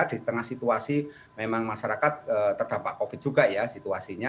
di tengah situasi memang masyarakat terdampak covid juga ya situasinya